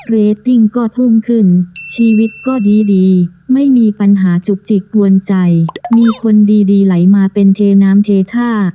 เรตติ้งก็ทุ่มขึ้นชีวิตก็ดีดีไม่มีปัญหาจุกจิกกวนใจมีคนดีไหลมาเป็นเทน้ำเทท่า